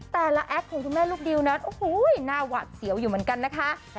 แต่ละแอคของคุณแม่ลูกดิวนั้นโอ้โหหน้าหวาดเสียวอยู่เหมือนกันนะคะ